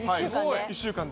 １週間で？